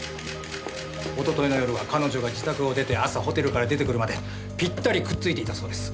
一昨日の夜は彼女が自宅を出て朝ホテルから出て来るまでピッタリくっついていたそうです。